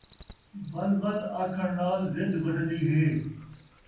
ول ول آکھݨ نال ضد ودھدی ہے